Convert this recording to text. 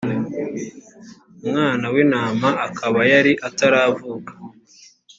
umwana w’intama akaba yari itaravuka